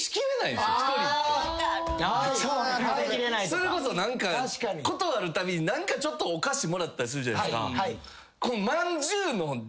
それこそ何か事あるたびに何かちょっとお菓子もらったりするじゃないですか。